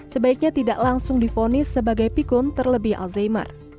sebaiknya tidak langsung difonis sebagai pikun terlebih alzheimer